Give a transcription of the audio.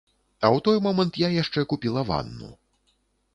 А ў той момант я яшчэ купіла ванну.